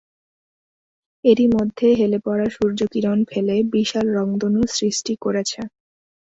এরই মধ্যে হেলে পড়া সূর্য কিরণ ফেলে বিশাল রংধনু সৃষ্টি করেছে।